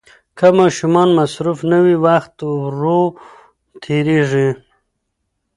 که ماشومان مصروف نه وي، وخت ورو تېریږي.